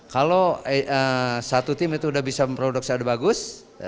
kalau satu tim itu udah bisa produk saat bagus